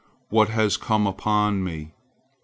What has come upon me!"